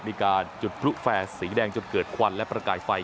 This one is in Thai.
มีการจุดพลุแฟร์สีแดงจนเกิดควันและประกายไฟ